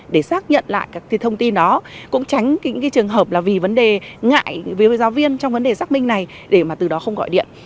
để xác nhận lại các cái thông tin đó cũng tránh những cái trường hợp là vì vấn đề ngại với giáo viên trong vấn đề xác minh này để mà từ đó không gọi điện